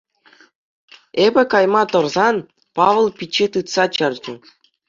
Эпӗ кайма тӑрсан, Павӑл пичче тытса чарчӗ.